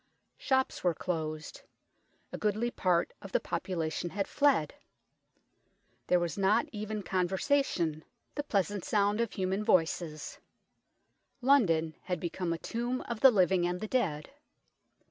Shops were closed. A goodly part of the population had fled. There was not even conversation, the pleasant sound of LETTERS FROM LONDON 215 human voices. London had become a tomb of the living and the dead.